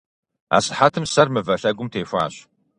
Асыхьэтым сэр мывэ лъэгум техуащ.